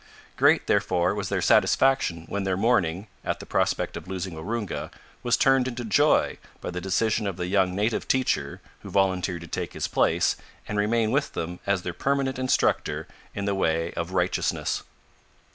Great, therefore, was their satisfaction when their mourning, at the prospect of losing Waroonga, was turned into joy by the decision of the young native teacher, who volunteered to take his place and remain with them as their permanent instructor in the way of Righteousness.